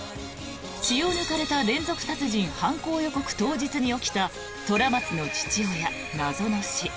血を抜かれた連続殺人犯行予告当日に起きた虎松の父親、謎の死。